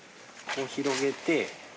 こう広げて。